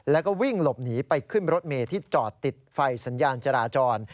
แล้วก็วิ่งหลบหนีไปขึ้นรถเมย์ที่จอดติดไฟสัญญาณจราจร